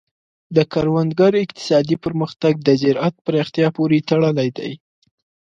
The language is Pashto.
د کروندګر اقتصادي پرمختګ د زراعت پراختیا پورې تړلی دی.